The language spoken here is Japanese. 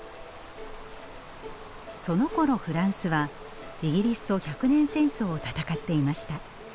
そのころフランスはイギリスと百年戦争を戦っていました。